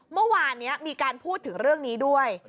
เมื่อวานนี้มีการพูดถึงเรื่องนี้ด้วย